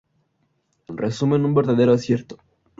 En resumen, un verdadero acierto.